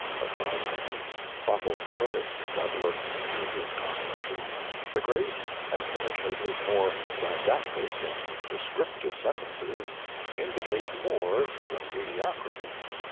Aside from any subtle mirth that lurks through his composition, the grace and finish of his more didactic and descriptive sentences indicate more than mediocrity.